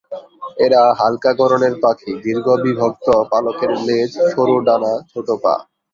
এরা হালকা গড়নের পাখি, দীর্ঘ বিভক্ত পালকের লেজ, সরু ডানা, ছোট পা।